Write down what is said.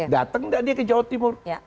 datang nggak dia ke jawa timur